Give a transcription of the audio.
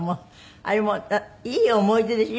あれもいい思い出でしょ？